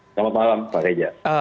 selamat malam pak keja